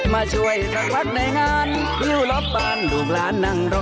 มาช่วยสักพักในงานฮิ้วรอบบ้านลูกหลานนั่งรอ